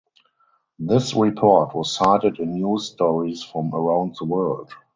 This report was cited in news stories from around the world.